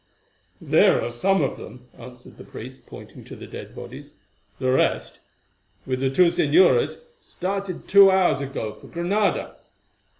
"There are some of them," answered the priest, pointing to the dead bodies; "the rest, with the two señoras, started two hours ago for Granada.